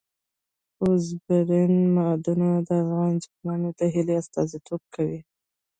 اوبزین معدنونه د افغان ځوانانو د هیلو استازیتوب کوي.